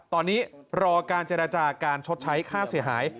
ตอนนี้รอการเจรจาการชดใช้ค่าเสียหาย